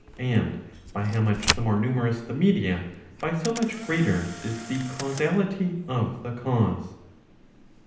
And by how much the more numerous the media, by so much greater is the causality of the cause.